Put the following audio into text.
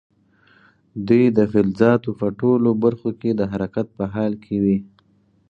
دوی د فلزاتو په ټولو برخو کې د حرکت په حال کې وي.